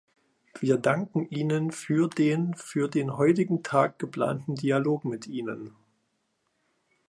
Wir danken Ihnen für den für den heutigen Tag geplanten Dialog mit Ihnen.